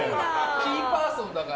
キーパーソンだから。